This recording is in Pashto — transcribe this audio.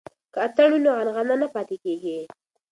که اتڼ وي نو عنعنه نه پاتې کیږي.